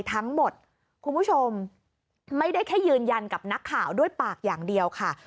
ทั้งหมดคุณผู้ชมไม่ได้แค่ยืนยันกับนักข่าวด้วยปากอย่างเดียวค่ะ